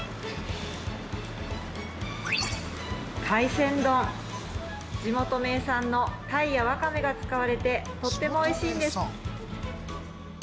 海鮮丼地元名産の鯛やわかめが使われてとってもおいしいんです